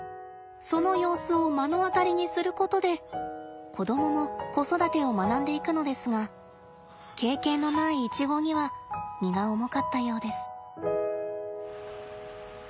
その様子を目の当たりにすることで子供も子育てを学んでいくのですが経験のないイチゴには荷が重かったようです。